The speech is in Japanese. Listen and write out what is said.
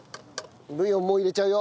ブイヨンもう入れちゃうよ